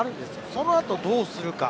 その後どうするか。